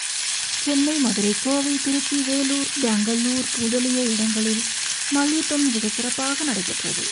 சென்னை, மதுரை, கோவை, திருச்சி, வேலூர், பெங்களுர் முதலிய இடங்களில் மல்யுத்தம் மிகச்சிறப்பாக நடைபெற்றது.